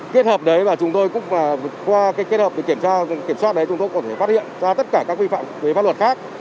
kết hợp đấy và chúng tôi cũng qua kết hợp kiểm tra kiểm soát đấy chúng tôi có thể phát hiện ra tất cả các vi phạm về pháp luật khác